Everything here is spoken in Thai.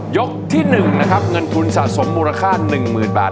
ที่๑นะครับเงินทุนสะสมมูลค่า๑๐๐๐บาท